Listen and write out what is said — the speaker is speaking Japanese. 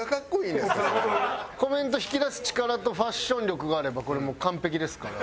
コメント引き出す力とファッション力があればこれもう完璧ですから。